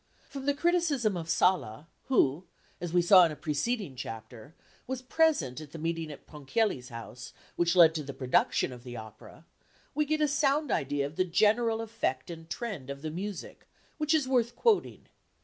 From the criticism of Sala, who, as we saw in a preceding chapter, was present at the meeting at Ponchielli's house which led to the production of the opera, we get a sound idea of the general effect and trend of the music, which is worth quoting.